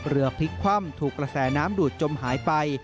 พลิกคว่ำถูกกระแสน้ำดูดจมหายไป